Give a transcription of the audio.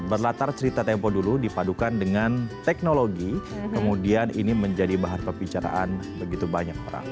berlatar cerita tempo dulu dipadukan dengan teknologi kemudian ini menjadi bahan pembicaraan begitu banyak orang